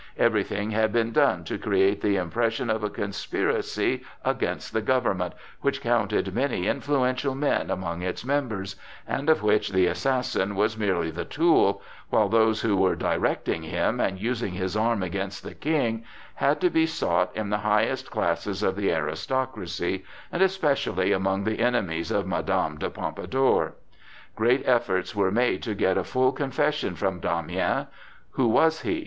Everything had been done to create the impression of a conspiracy against the government which counted many influential men among its members and of which the assassin was merely the tool, while those who were directing him and using his arm against the King, had to be sought in the highest classes of the aristocracy, and especially among the enemies of Madame de Pompadour. Great efforts were made to get a full confession from Damiens. Who was he?